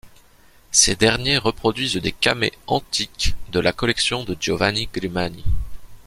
Ces derniers reproduisent des camées antiques de la collection de Giovanni Grimani.